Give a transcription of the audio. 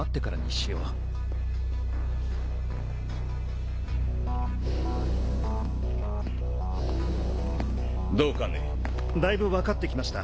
匹Δ諭だいぶ分かってきました。